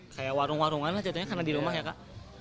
kayak warung warungan lah contohnya karena di rumah ya kak